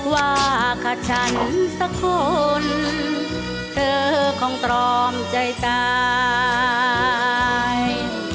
ว่าขัดฉันสักคนเธอคงตรอมใจตาย